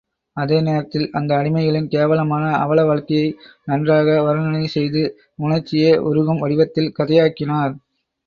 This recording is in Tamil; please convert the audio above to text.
அதே நேரத்தில் அந்த அடிமைகளின் கேவலமான அவல வாழ்க்கையை நன்றாக வருணனை செய்து, உணர்ச்சியே உருகும் வடிவத்தில் கதையாக்கினார்.